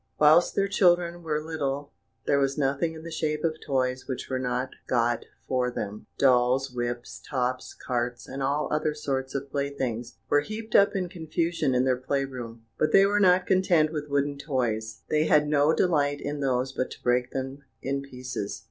"Whilst their children were little, there was nothing in the shape of toys which were not got for them; dolls, whips, tops, carts, and all other sorts of playthings, were heaped up in confusion in their play room; but they were not content with wooden toys they had no delight in those but to break them in pieces.